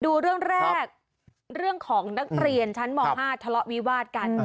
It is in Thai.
ดูเรื่องแรกเรื่องของนักเรียนชั้นม๕ทะเลาะวิวาดกัน